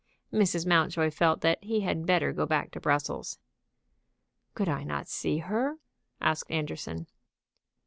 Mrs. Mountjoy felt that he had better go back to Brussels. "Could I not see her?" asked Anderson.